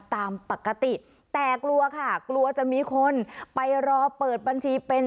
ตามปกติแต่กลัวค่ะกลัวจะมีคนไปรอเปิดบัญชีเป็น